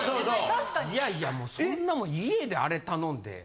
・確かに・いやいやもうそんなもん家であれ頼んで。